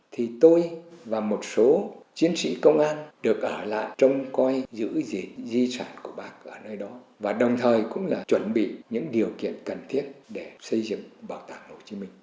thì tôi và một số chiến sĩ công an được ở lại trông coi giữ gìn di sản của bác ở nơi đó và đồng thời cũng là chuẩn bị những điều kiện cần thiết để xây dựng bảo tàng hồ chí minh